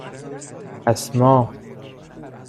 اَسما